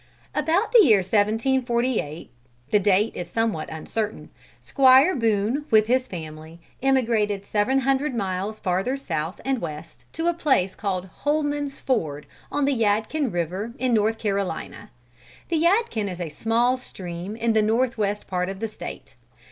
About the year 1748 (the date is somewhat uncertain), Squire Boone, with his family, emigrated seven hundred miles farther south and west to a place called Holman's Ford on the Yadkin river, in North Carolina. The Yadkin is a small stream in the north west part of the State.